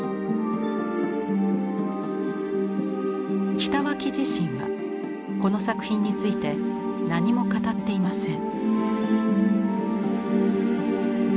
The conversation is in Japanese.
北脇自身はこの作品について何も語っていません。